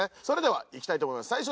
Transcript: それではいきたいと思います。